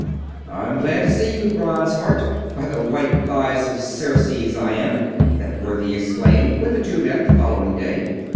"I'm glad to see you, Bronze heart, by the white thighs of Ceres, I am!" that worthy exclaimed, when the two met, the following day.